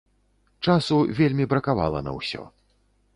Часу вельмі бракавала на ўсё.